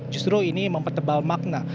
justru ini mempertebal makna